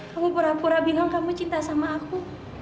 kamu pura pura bilang kamu cinta sama aku